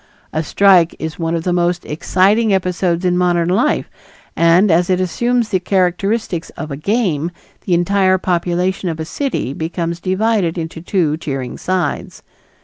A strike is one of the most exciting episodes in modern life, and as it assumes the characteristics of a game, the entire population of a city becomes divided into two cheering sides.